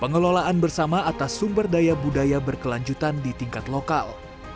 pengelolaan bersama atas sumber daya budaya berkelanjutan di tingkat lokal